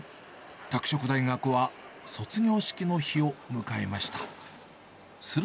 拓殖大学は卒業式の日を迎えました。